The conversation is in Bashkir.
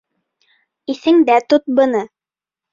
Иҫендә тот быны.